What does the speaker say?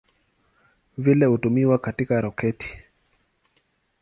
Vile hutumiwa katika roketi.